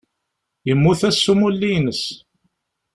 Yemmut ass n umulli-ines.